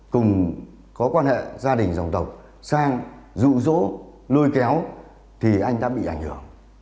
cùng có quan hệ gia đình dòng tộc sang rụ rỗ lôi kéo thì anh đã bị ảnh hưởng